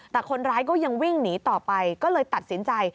แต่คนร้ายก็ยังวิ่งหนีต่อไปก็เลยตัดสินใจ